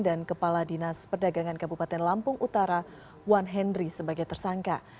kepala dinas perdagangan kabupaten lampung utara wan henry sebagai tersangka